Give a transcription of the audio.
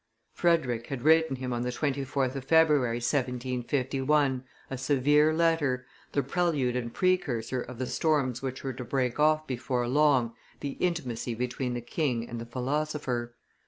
Frederick had written him on the 24th of February, 1751, a severe letter, the prelude and precursor of the storms which were to break off before long the intimacy between the king and the philosopher.